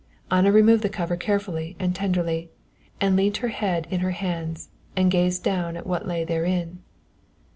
Anna removed the cover carefully and tenderly, and leant her head in her hands and gazed down at what lay therein.